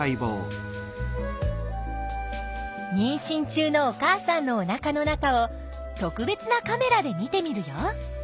にんしん中のお母さんのおなかの中を特別なカメラで見てみるよ！